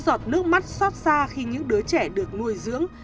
giọt nước mắt xót xa khi những đứa trẻ được nuôi dưỡng